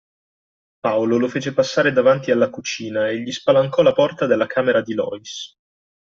Paolo lo fece passare davanti alla cucina e gli spalancò la porta della camera di Loïs.